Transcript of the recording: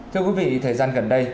thưa quý vị thời gian gần đây